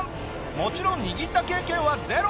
もちろん握った経験はゼロ。